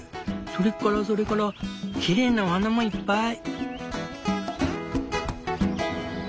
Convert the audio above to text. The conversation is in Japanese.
それからそれからきれいなお花もいっぱい！